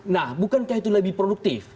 nah bukankah itu lebih produktif